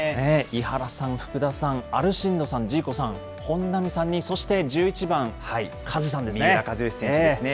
井原さん、福田さん、アルシンドさん、ジーコさん、本並さんに、三浦知良選手ですね。